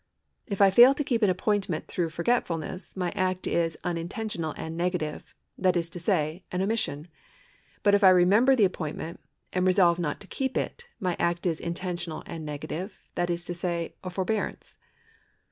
If I fail to keep an appointment through f orgetfulness, my act is unintentional and negative ; that is to say, an omission. But if I remember the appoint ment, and resolve not to keep it, my act is intentional and negative ; that is to say, a forbearance.